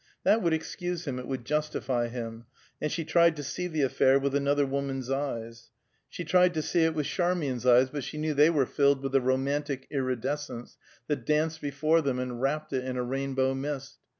That would excuse him, it would justify him, and she tried to see the affair with another woman's eyes. She tried to see it with Charmian's eves, but she knew they were filled with a romantic iridescence that danced before them and wrapt it in a rainbow mist.